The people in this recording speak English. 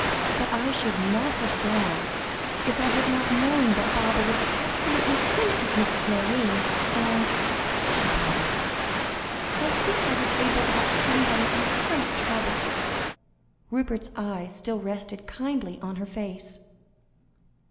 But I should not have gone, if I had not known that Baba was absolutely safe with Mrs. Nairne. And" she paused "I think I was able to help somebody in great trouble." Rupert's eyes still rested kindly on her face.